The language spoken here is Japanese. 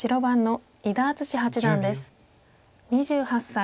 ２８歳。